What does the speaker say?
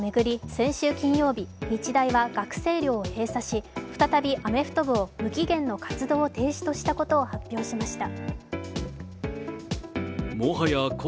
先週金曜日日大は学生寮を閉鎖し、再びアメフト部を無期限の活動停止にしたことを発表しました。